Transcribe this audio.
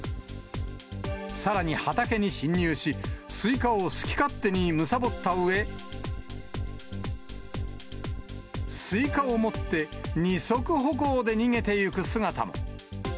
さらに、畑に侵入し、スイカを好き勝手にむさぼったうえ、スイカを持って２足歩行で逃げていく姿も。